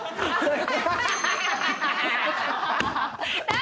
何？